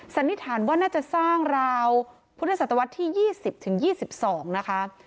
สันนิษฐานว่าน่าจะสร้างราวพุทธศตวรรษที่๒๐๒๒นะคะ